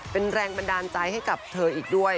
เป็นแรงบันดาลใจให้กับเธออีกด้วย